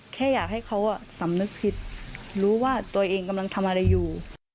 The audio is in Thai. แค่อยากให้เขาสำนึกผิดรู้ว่าตัวเองกำลังทำอะไรอยู่